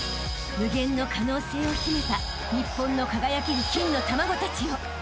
［無限の可能性を秘めた日本の輝ける金の卵たちよ］